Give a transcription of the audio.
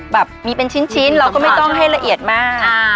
แบบมีเป็นชิ้นเราก็ไม่ต้องให้ละเอียดมาก